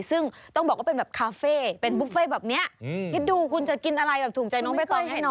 เป็นบุฟเฟต์แบบเนี้ยอืมที่ดูคุณจะกินอะไรแบบถูกใจน้องไปตอนให้นอน